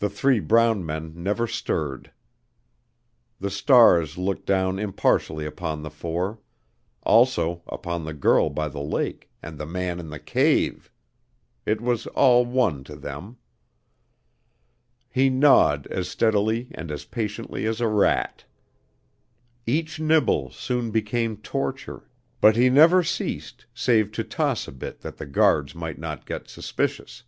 The three brown men never stirred. The stars looked down impartially upon the four; also upon the girl by the lake and the man in the cave. It was all one to them. He gnawed as steadily and as patiently as a rat. Each nibble soon became torture, but he never ceased save to toss a bit that the guards might not get suspicious.